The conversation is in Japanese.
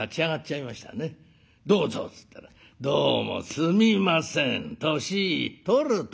「どうぞ」っつったら「どうもすみません年取ると」